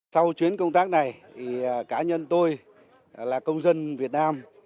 sau chuyến công tác này cá nhân tôi là công dân việt nam